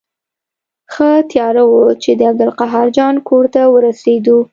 ښه تیاره وه چې د عبدالقاهر جان کور ته ورسېدو.